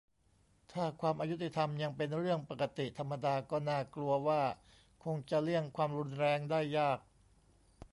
ถ้า ความอยุติธรรม ยังเป็นเรื่องปกติธรรมดา ก็น่ากลัวว่าคงจะเลี่ยง ความรุนแรง ได้ยาก